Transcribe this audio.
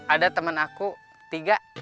ada temen aku tiga